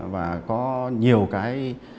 và có nhiều cái